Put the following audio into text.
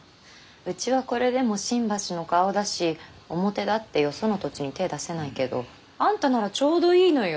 うちはこれでも新橋の顔だし表立ってよその土地に手ぇ出せないけどあんたならちょうどいいのよ。